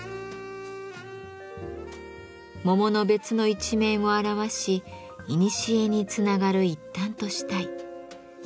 桃の別の一面を表しいにしえにつながる一端としたい。